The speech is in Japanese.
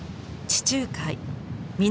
地中海南